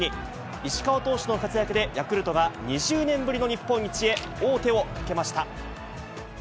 石川投手の活躍で、ヤクルトが２０年ぶりの日本一へ、王手をかけました。